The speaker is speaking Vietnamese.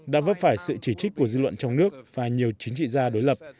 đã vấp phải sự chỉ trích của dư luận trong nước và nhiều chính trị gia đối lập